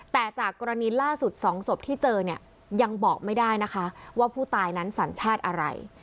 แต่จากกรณีล่าสุด๒ศพที่เจอเนี่ยยังบอกไม่ได้นะคะว่าผู้ตายนั้นสัญชาติอะไร